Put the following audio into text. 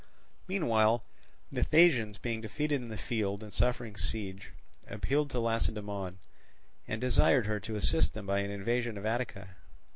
Meanwhile the Thasians being defeated in the field and suffering siege, appealed to Lacedaemon, and desired her to assist them by an invasion of Attica.